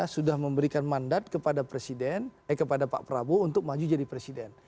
sudah memberikan mandat kepada pak prabowo untuk maju jadi presiden